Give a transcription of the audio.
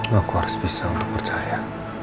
aku harus bisa untuk percaya